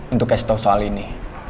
untuk kasih tau soal ini